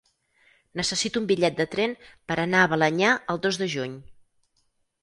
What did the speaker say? Necessito un bitllet de tren per anar a Balenyà el dos de juny.